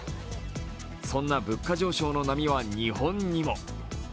そんな物価上昇の波は日本にも。